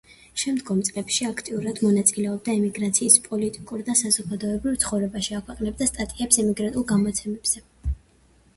შემდგომ წლებში აქტიურად მონაწილეობდა ემიგრაციის პოლიტიკურ და საზოგადოებრივ ცხოვრებაში; აქვეყნებდა სტატიებს ემიგრანტულ გამოცემებში.